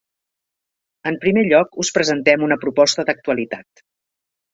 En primer lloc us presentem una proposta d'actualitat.